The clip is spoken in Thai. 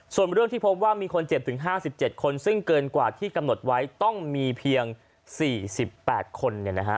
ส่วนเรื่องที่พบว่ามีคนเจ็บถึง๕๗คนซึ่งเกินกว่าที่กำหนดไว้ต้องมีเพียง๔๘คน